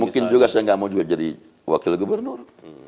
mungkin juga saya nggak mau juga jadi wakil gubernur